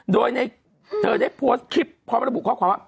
โดยในเธอได้โพสต์คลิปพร้อมระบุข้อความว่า